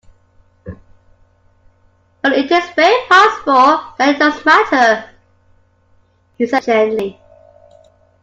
"But it is very possible that it does matter," he said gently.